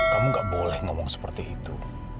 kamu gak boleh ngomong seperti itu